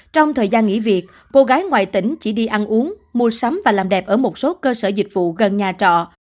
trong thời gian nghỉ việc cô gái ngoài tỉnh chỉ đi ăn uống mua sắm và làm đẹp ở một số cơ sở dịch vụ gần nhà trọ